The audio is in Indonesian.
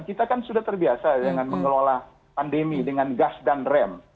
kita kan sudah terbiasa dengan mengelola pandemi dengan gas dan rem